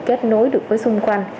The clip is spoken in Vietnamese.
kết nối được với xung quanh